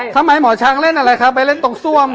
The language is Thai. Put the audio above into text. ทำไมหมอช้างเล่นอะไรครับไปเล่นตรงซ่วม